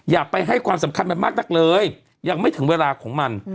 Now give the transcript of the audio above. อย่าไปให้ความสำคัญมันมากนักเลยยังไม่ถึงเวลาของมัน